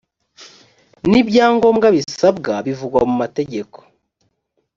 n ibyangombwa bisabwa bivugwa mu mategeko